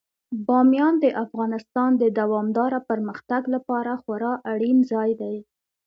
بامیان د افغانستان د دوامداره پرمختګ لپاره خورا اړین ځای دی.